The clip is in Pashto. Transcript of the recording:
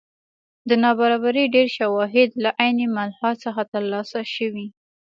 د نابرابرۍ ډېر شواهد له عین ملاحا څخه ترلاسه شوي.